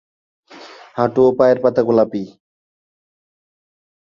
হাঁটু ও পায়ের পাতা গোলাপি।